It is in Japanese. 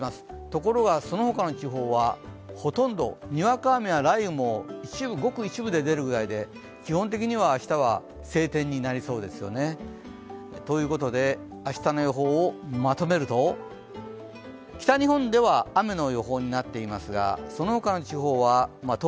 ところが、そのほかの地方はほとんど、にわか雨や雷雨もごく一部で出るぐらいで、基本的には明日は晴天になりそうですよね。ということで、明日の予報をまとめるとここからは「Ｎスタ・ＮＥＷＳＤＩＧ」です。